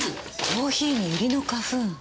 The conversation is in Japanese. コーヒーにユリの花粉。